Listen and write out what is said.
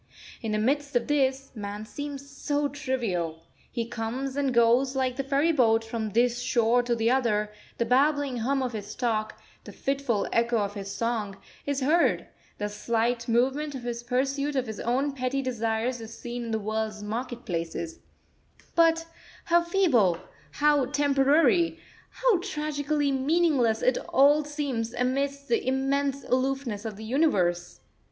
In the midst of this, man seems so trivial. He comes and goes, like the ferry boat, from this shore to the other; the babbling hum of his talk, the fitful echo of his song, is heard; the slight movement of his pursuit of his own petty desires is seen in the world's market places: but how feeble, how temporary, how tragically meaningless it all seems amidst the immense aloofness of the Universe!